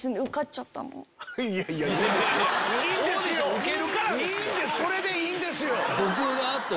いやいやいやいいんですそれでいいんですよ。